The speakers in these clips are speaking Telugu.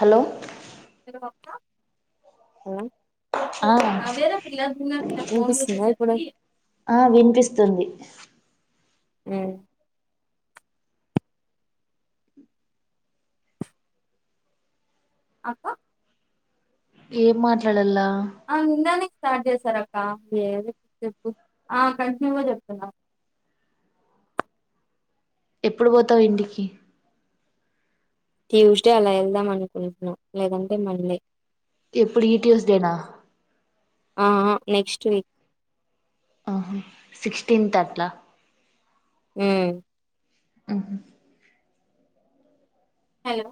హలో ఆ అఆ ఏదయినా పిల్లర్ పిల్లర్ వినేపిస్తున్నదా ఇపుడు ఆ వినిపిస్తుంది అ అక్క ఏం మాట్లాడల్లా అ నిన్ననే స్టార్ట్ చేసార అక్క ఏ చెప్పు ఆ కంటిన్యూగా చెప్తున్నాం ఎప్పుడు పోతావు ఇంటికి ట్యూస్డే అలా వెళ్దాం అనుకుంటున్నాం లేదంటే మండే ఎప్పుడుటిసీఐనా ఆ ఆ నెక్స్ట్ వీక్ ఆహ సిక్స్టీన్త్ అట్లా అ ఆ హలో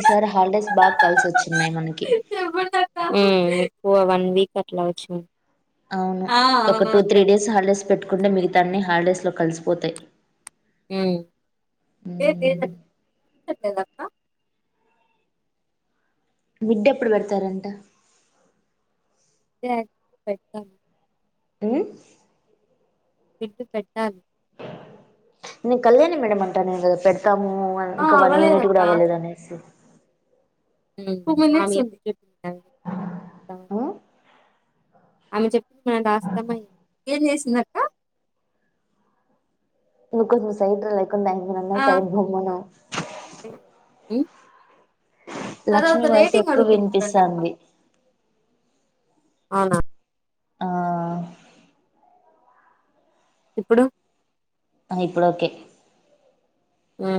ఈసారి హాలీడేస్ బాగా కలిసి వచ్చిన్నాయి మనకి చెప్పండి అక్క ఓ వన్ వీక్ అట్ల వచ్చినాయి అవును ఒక టూ త్రీ డేస్ హాలీడేస్ పెట్టుకుంటే మిగతాన్ని హాలీడేస్ లో కలిసిపోతాయి అ ఏ చెక్క మిడ్ ఎప్పుడు పెడతారంట పె అ మిడ్ పెట్టాలి నేను కళ్యాణి మేడమ్ అంటేనే పెడతావు ఆ ఇంకా వన్ యూనిట్ కూడా అవ్వలేదక్క అవ్వలేదు అనేసి మ హ్ ఆమె చెప్పింది మన దస్తామా ఏం ఏంచేసింది అక్క నువ్వు కొంచెం సైడు రా కుందా ఇన్న ఆ సైడ్కి పోమను హ్మ్. తర్వాత లక్ష్మీ వాయిస్ రేటింగ్ ఎక్కువ అడుగుతుంది చూడండి అక్క వినిపిస్తాది అవునా ఆ ఇప్పుడు ఇప్పుడు ఓకే ఆ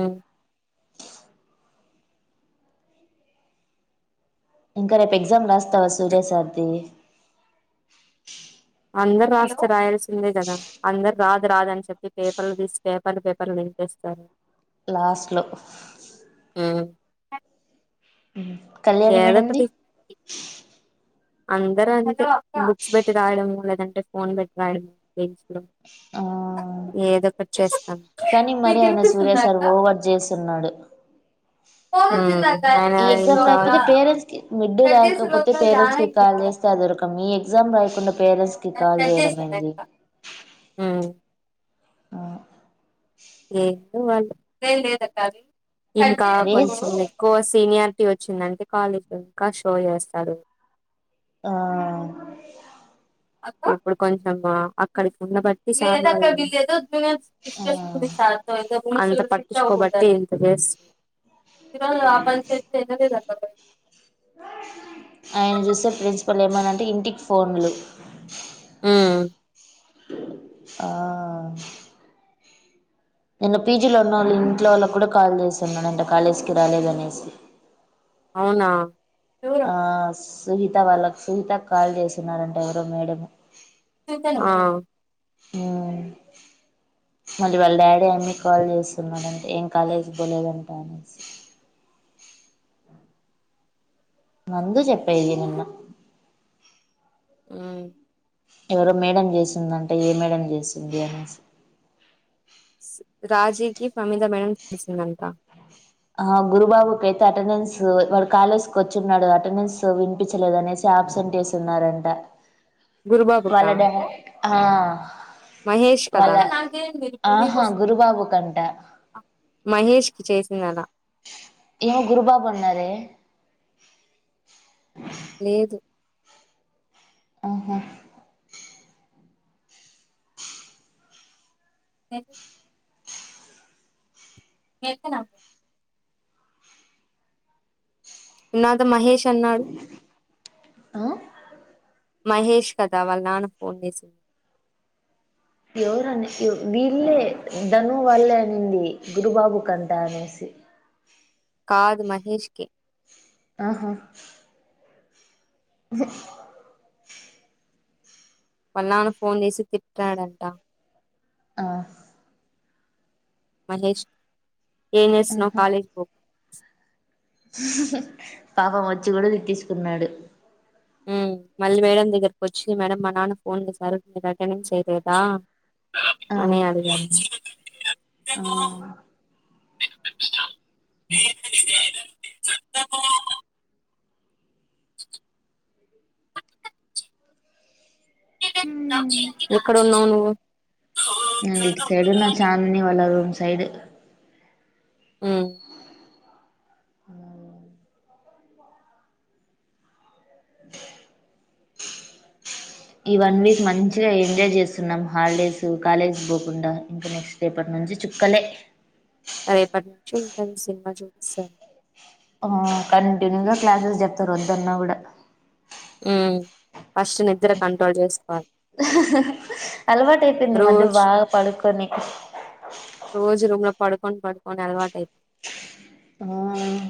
ఇంకా రేపు ఎగ్జామ్ రాస్తావా సూర్య సార్ దీ అందరు రాస్తే రాయాల్సిందే కదా అందరు రాదు రాదని చెప్పి పేపర్లు తీసి పేపర్లు పేపర్లు నింపేస్తారు లాస్ట్ లో ఆ కళ్యాణి మేడందీ అందరు అంతే బుక్స్ పెట్టి రాయడము లేదంటే ఫోన్ పెట్టి రాయడము బెంచ్లో ఆ ఏదో ఒకటి చేస్తారు కానీ మరి ఆయన సూర్య సార్ ఓవర్ చేస్తున్నాడు ఓ అన ఐతే పేరెంట్స్ కీ మిడ్ రాయకపోతే అది పేరెంట్స్ ఆన్ కి అయింది కాల్ ఫోన్ చేస్తా అదొక మీ ఎగ్జామ్ రాయకుండా పేరెంట్స్ కి కాల్ కట్ చేయడం చేసింది ఏంది అక్క ఉమ్ ఆ ఏ రేపు లేదక్కది ఈ ఇంకా వేస్ట్ కొంచెం ఎక్కువ సీనియర్ టీ వచ్చిందంటే కాలేజీ లో ఇంకా షో చేస్తాడు ఆ ఇప్పుడు కొంచం బా, అక్కడికి ఉన్న బట్టి సార్లు. ఒపీనియన్స్ ఆ డిస్కషన్ కొని శాతం ఇంకా అంత పట్టించుకోబట్టి ఇంత చేస్తున్నాను శేషబ ఆ పని చేస్తే విననేరు బాబాయ ఆయన చూస్తే ప్రిన్సిపాల్ ఏమన్నాడంటే ఇంటికి ఫోన్లు హ్మ్ ఆ నిన్న పీజీలో ఉన్నవాళ్ల ఇంట్లో వాళ్లకి కూడా కాల్ చేశాం మేడం ఇంకా కాలేజ్‌కి రాలేదు అనేసి అవునా ఆశ సుజిత వాళ్లకు సుజాతకు కాల్ చేస్తున్నారు అంట ఎవరో మేడం ఆ హ్మ్ మళ్లీ వాళ్ల డాడీ ఏమన్నా మీకే కాల్ చేస్తున్న నేను ఏం కాలేజ్‌కి పోలేదంటా అనేసి నందు చెప్పేది నిన్న. హు. ఎవరో మేడం జెసింది అంట, ఏ మేడం! జెసింది అనేసి. ఈస. రాజీవ్‌కి పమీధ మేడం చేసిందంట. ఆ గురుబాబు టెన్త్ అటెండెన్స్‌ వ వాడు కాలేజ్‌ వచ్చున్నాడు, అటెండెన్స్ వినిపించలేదని అనేసి అబ్సెంట్ వేస్తున్నారంట. గురుబాబుకా వాళ్ల డా హా, మహేష్ కదా వాళ్ల ఇప్పుడు నీకు ఆహా వస్ గురుబాబు కంట. ఇదిచేసిందట. ఏమో గురుబాబు అనరే. లేదు. ఆహా. తేకు. Take now. నాతో మహేష్ అన్నాడు. ఆ. మహేష్ కదా, వాళ్ల నాన్న ఫోన్ చేసింది. ఎవరు అనేసి వీళ్లే ధను వాళ్లే అనింది, గురుబాబు కంట అనేసి. కాదు, మహేష్ కే. ఆహా. [inaudible] వాళ్ల నానా ఫోన్ చేసి, తిట్టినాడు అంట. ఆహ. మహేష్. ఏం చేస్తున్నావ్ కాలేజీకి పో. [inaudible] పాపం వచ్చి కూడా టీచ్చుకున్నాడు హూ మళ్ళీ మేడం దగ్గరికి వొచ్చి, మేడమ్ మా నాన్న కి ఫోన్ చేశారు. మీరు అటెండెన్స్ చేయలేదా, ఆ అని అడిగారు. ఆ [inaudible] ఎక్కడ వున్నావ్ నువ్వు. న ఇంటి సైడు నా చాందని వాల్ల రూమ్ సైడు. ఊమ్. [inaudible] [inaudible] ఈ వన్ వీక్ మంచిగా ఎంజాయ్ చేస్తున్నాం హాలిడేస్ కాలేజ్ బోకుండా, ఇంకా నెక్స రెపటినుంచి చుక్కలే. రేపటి నుంచి ఉంటది సినిమా చూపిస్తారు. అమ్మో కంటిన్యూగా, క్లాసెస్ చెప్తారు వద్దన్న కూడా. ఉ ఫస్ట్ నిద్ర కంట్రోల్ చేస్. అలవాటు అయిపోంది. ఈ మధ్య రోజు బాగా పడుకొని. [inaudible] రోజు రూమ్ లో పడుకొని పడుకొని అలవాటు అయింది. ఆ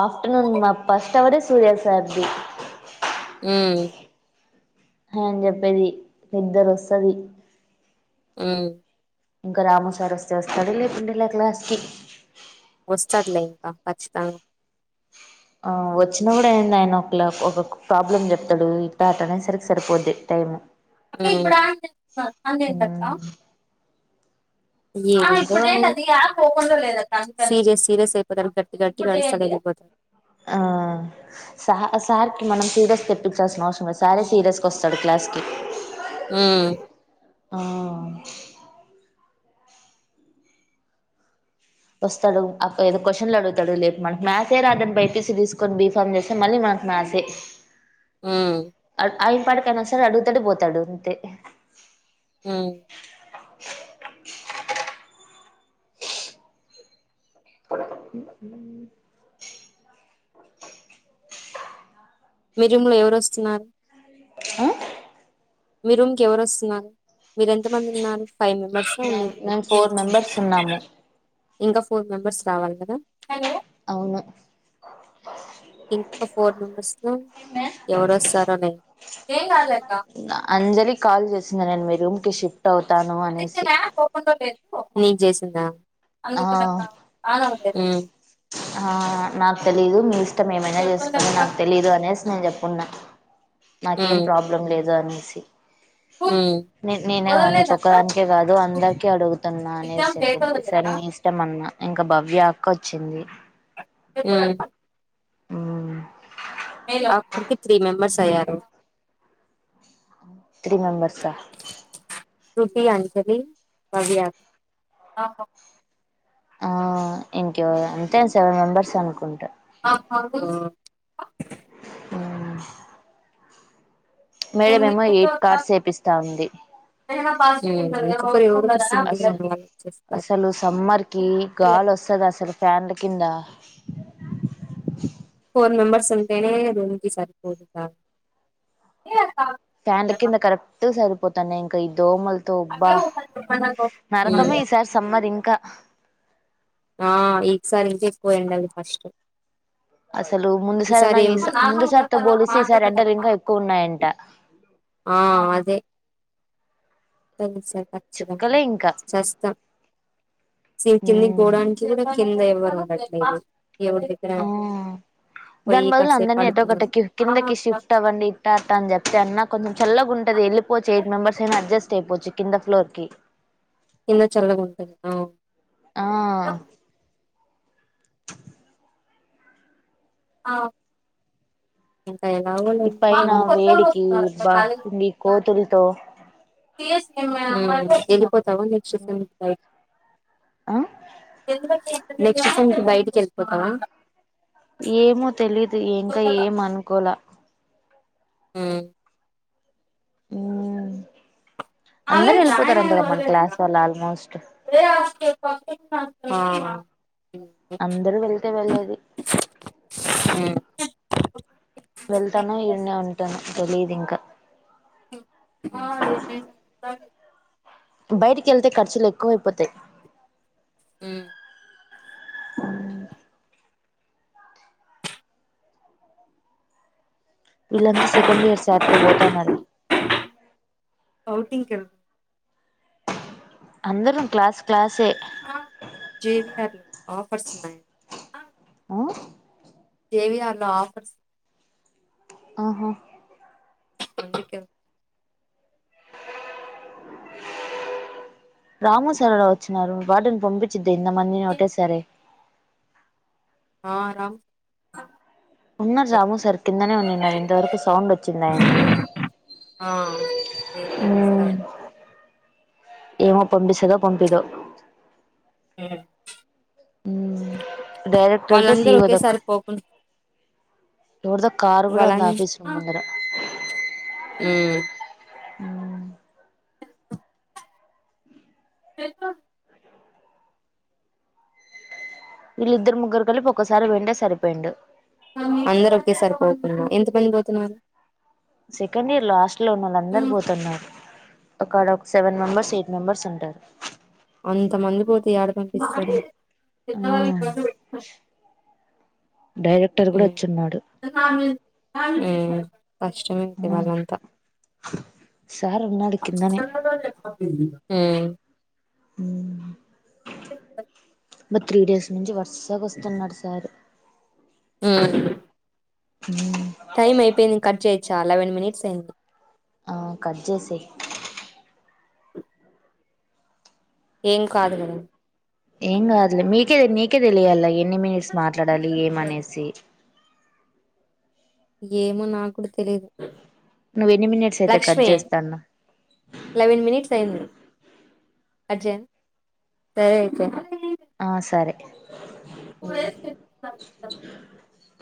ఆఫటర్నూన్, మా ఫస్ట్ అవరే సూర్య సార్ ది. ఊమ్. అయన చెప్పేది, నిద్దరోస్తది. ఊమ్. ఇంకా రాము సార్ వస్తే వస్తాడు, లేకుంటే లే క్లాస్కి. వస్తాడులే, హా ఖచ్చితంగా. ఆ వచ్చిడే ఆయన, నైన్ ఓ క్లాక్ ఒక్కొక్క ప్రాబ్లమ్ చెప్తాడు, ఇట్ట అట్ట అనే సరికి సరిపోద్ది టైమ్. మ్మ్ ఉ ఏదొ సీరియస్ సీరియస్ అయిపోతారు గట్టి గట్టిగా అరుస్తానే ఎలిపో ఆ సార్ కి మనం సీరియస్ తెప్పించాల్సిన అవసరం లేదు సారే సీరియస్ గా వస్తాడు క్లాస్ కి. ఉ ఆ వస్తాడు అప్ ఏదో క్వషన్స్ అడుగుతాడు లేపి మనకు మ్యాథ్సే రాదని బైపీసీ తీసుకొని బీఫామ్ చేస్తే మళ్ళీ మనకు మ్యాసే. ఉ ఆయన పనికి ఆయన వస్తాడు అడుగుతడు పోతాడు అంతే. ఉ [inaudible] [unintelligible] మీ జిమ్ము లో ఎవరోస్తున్నారు. అ మీ రూమ్ కీ ఎవరు వస్తున్నారు, మీరు ఎంత మంది ఉన్నారు. ఫైవ్ మెంబర్స్ మేం ఉన్నారు ఇప్పుడు మేము ఫోర్ మెంబర్స్ ఉన్నాము. ఇంకా ఫోర్ మెంబర్స్ రావాలి కదా. అవును ఇంకా ఫోర్ మెంబర్స్ లో ఎవరోస్తారోనే ఏంగాలే అంజలి కాల్ చేసింది నేనూమీరు బుషు అవుతాను అనేసి నీక్ చేసిందా ఆ అందుకానక్కా ఆ ఉం ఆ నాకు తెలీదు మీ ఇష్టం ఏమైనా చేసుకుని చెప్పాలక్క నాకు తెలీదు అనేసి నేను చెప్పున్నా నాకేం ప్రాబ్లం లేదు అని. సి నే నేను వదల్లేదక్క నీకొక్కదానికే కాదు అందరికి అడుగుతున్నా అనేసి ఎగ్జామ్ డేట్ చెప్పింది సరే వదల్లేదా మీ ఇష్టం అన్నా. ఇంకా భవ్య అక్క వోచ్చింది. ఊమ్ ఊమ్ ఆక్కడికి త్రీ మెంబర్స్ అయ్యారు త్రీ మెంబర్సా ఆ శ్రృతి, అంజలి, భవ్య ఆ ఆ ఇంక ఎవ అంతే సెవెన్ మెంబెర్స్ అనుకుంటా ఉ ఉమ్ మేడం ఏమో ఎయిట్ కార్డ్స్ చేేపిస్తా ఉంది. ఉమ్ [unintelligible] అసలు అసలు సమ్మర్ కి గాలి వస్తది అసలు ఫ్యాన్లు కింద ఫోర్ మెంబర్స్ ఉంటేనే రూమ్ కి సరిపోతదా ఫ్యాన్ల కింద కరెక్ట్ సరిపోతానేే ఇంక దోమలతో ఉబ్బా ఒకసారి చెప్పండి అక్క నరకమే ఈసారి సమ్మర్ ఇంకా ఆ ఈసారి ఇంకా ఎక్కువ ఎండలు ఫస్ట్ అసలు ముందు సారి అన్న ఈసారి ఈ ఏం సారి ముందు సారితో పోలిస్తే, ఈసారి ఎండలు ఇంకా ఎక్కువ ఉన్నాయంట. ఆ అదే సర్ ఖచ్చితం చుక్కలే ఇంకా చూస్తాం సింకిీందికి ఉమ్ పోడానికి కింద ఎవ్వరుండట్లే ఆ పోయి దాని బదులు కాసేపు అందరినీ ఎటో పడుకున్నాం ఒకటకి కిం కిందకి షిఫ్ట్ అవ్వండి ఇట్ట అట్ట అని చెప్తే అన్న. కొంచం చల్లగా ఉంటది ఎల్లిపోచ్ ఎయిట్ మెంబర్స్ ఐన అడ్జస్ట్ అయిపోచ్చు కింద ఫ్లోర్ కి కింద చల్లగ ఉంటది అ ఆ ఆ ఇంకా ఎలాగో ఈ పైనా వేడికి బా ఈ కోతులతో అమ్ ఇది పోతవా నెక్ట్స్ సిం కి ఆ ఎందుకె నెక్స్ట్ సెమ్కి బయటికి వెళ్ళిపోతావా ఏమో తెలిదు ఇంకా ఏమనుకోలా హు ఊమ్ ఆల్రెడీ జాయినైనా రోజే చెప్ప ఆల్మోస్ట్ వేరే వాళ్ళకి చెప్ ఆ అందరు వెళ్తే వేళ్ళేది. వెళ్తానో ఈడనే ఉంటానో తెలీదు ఇంకా బైటికి వెళ్తే ఖర్చులు ఎక్కువ అయిపోతాయి. ఉమ్ అమ్ వీళ్ళంతా సెకండ్ ఇయర్స్ యాడికో పోతన్నారే ఔటింగ్ కెల్ అందరు క్లాస్ క్లాసే ఆ జే వి ఆర్లో ఆఫర్స్ ఉన్నాయ్ ఆ జే వి ఆర్లో ఆఫర్స్ ఆహ్ అందుకేల్ రాము సారెవరో వచ్చినారు వార్డెన్ పంపించి తెంద మందిని ఒకటే సరే ఆ రామ్ ఉన్నారు రాము సార్ కిందనే ఉడిన్నరు, ఇంతవరకు సౌండ్ వచ్చిందాయింది ఆ నేను మ్ పంపిస్తాను ఏమో పంపిస్తుదో పంపియ్దో హు హూ డైరెక్టర్దో సి ఇ ఓ దో ఒకేసారి పోకుండా ఎవరిదో కార్ కూడా వాళ్ళన్ ఆఫీస్ రూమ్ ముందర ఉమ్ మ్ ఇళ్ళిద్దరు ముగ్గురు కలిపి ఒకేసారి పోయింటే సరిపోయిండు అందరు ఒకేసారి పోకుంన్నా ఎంతా మంది పోతున్నారు సెకండ్ ఇయర్లో హష్టల్ లో ఉన్న వాళ్ళందరూ పోతున్నారు అక్కడ ఒక సెవెన్ మెంబర్స్ ఎయిట్ మెంబెర్స్ ఉంటారు అంత మంది పోతే ఏడ కనిపిస్తారు [inaudible] ఆ డైరెక్టర్ కూడా వచ్చున్నాడు మ్ కష్టమేది ఆ వాాలంతా సార్ ఉన్నాడు కిందనే మ్ మ్ బ మరి త్రీ డేస్ నుంచి వరుసగా వస్తున్నాడు సారు మ్ మ్ చాలా వెన్ మినిట్స్ అయింది ఆ కట్ చేసేయ్ ఏం కాదు కదా ఏంగద్లే మీకే మీకేదలియాలి ఎ ఎన్ని మినిట్స్ మాట్లాడాలి ఏమనేసి ఏమో నాకుడు తెలీదు నువ్వు ఎన్ని మినిట్స్ అయితే కట్ లక్ష్మి చేస్తాన్నవ్ లెవెన్ మినిట్స్ అయింది అజన్ సరే అయితే ఆ సరే ఊమ్